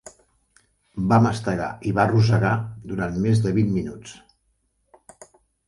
Va mastegar i va rossegar durant més de vint minuts.